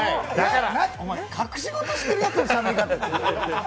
隠し事をしてるやつのしゃべり方。